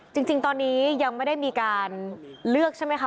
จริงตอนนี้ยังไม่ได้มีการเลือกใช่ไหมคะ